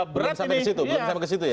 belum sampai ke situ ya